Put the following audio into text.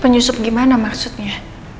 penyusup gimana maksudnya